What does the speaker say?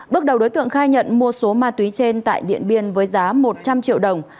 bước đầu đối tượng khai nhận mua số ma túy trên tại điện biên với giá một trăm linh triệu đồng